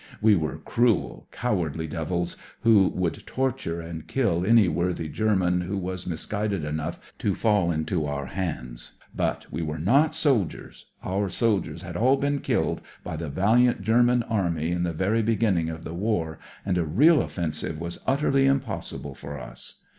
We were cruel, cowardly devils, who would torture and kill any worthy German who was misguided enough to fall into our hands; but we were not soldiers: our soldiers had all been killed by the valiant German Army in the very begin ning of the war, and a real offensive was utterly impossible for us.